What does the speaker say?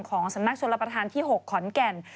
ของสำนักชลประธานที่๖ขอนแก่น